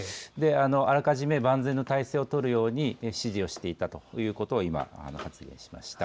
あらかじめ万全の態勢を取るように指示をしていたということを今発言しました。